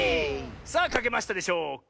さあかけましたでしょうか？